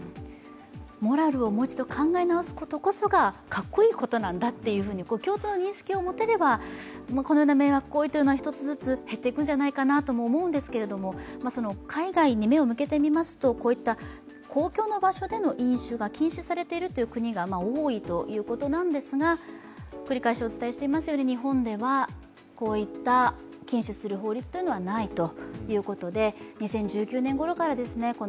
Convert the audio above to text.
モラルをもう一度考え直すことこそが格好いいことなんだという共通の認識を持てればこのような迷惑行為というのも１つずつ減っていくのではないかと思いますけれども海外に目を向ければこういった公共の場所での飲酒が禁止されているという国が多いということなんですが、繰り返しお伝えしますが、日本にはこういう法律はないと。